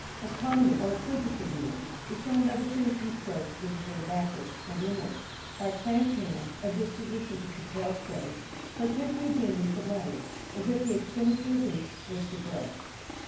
Economy, or acquisitiveness, is shown by the finishing strokes being turned backwards, and inwards; by a cramped hand, a disposition to curtail strokes, particularly the endings of letters, as if the expenditure of ink was begrudged.